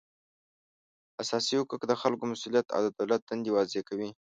اساسي حقوق د خلکو مسولیت او د دولت دندې واضح کوي